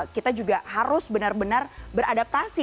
kita juga harus benar benar beradaptasi